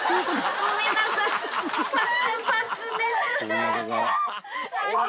ごめんなさい。